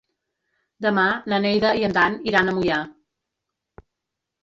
Demà na Neida i en Dan iran a Moià.